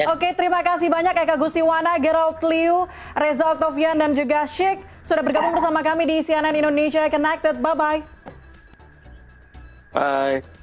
oke terima kasih banyak eka gustiwana gerold liu reza oktavian dan juga shick sudah bergabung bersama kami di cnn indonesia connected bye